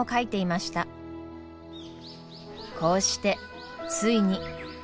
こうしてついに。